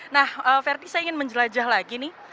nah verdi saya ingin menjelajah lagi nih